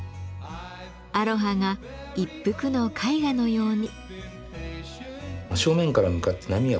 アロハが一幅の絵画のように。